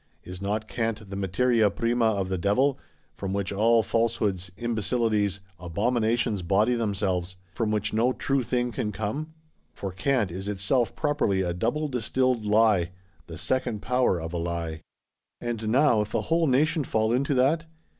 Is not Cant the materia prima of the Devil; from which all falsehoods, imbecilities, abominations body themselves; from which no true thing can come? For Cant is itself properly a double distilled Lie; the second power of a Lie. And now if a whole Nation fall into that?